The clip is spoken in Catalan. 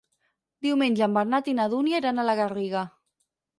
Diumenge en Bernat i na Dúnia iran a la Garriga.